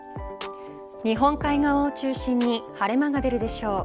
日本海側を中心に晴れ間が出るでしょう。